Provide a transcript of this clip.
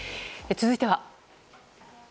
続いては。